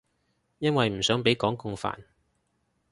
因為唔想畀港共煩